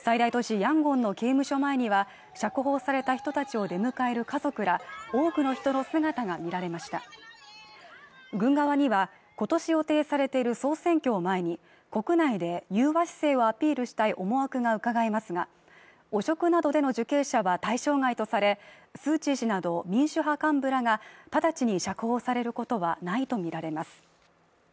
ヤンゴンの刑務所前には釈放された人たちを出迎える家族ら多くの人の姿が見られました軍側には今年予定されている総選挙を前に国内で融和姿勢をアピールしたい思惑がうかがえますが汚職などでの受刑者は対象外とされスー・チー氏など民主派幹部らが直ちに釈放されることはないと見られます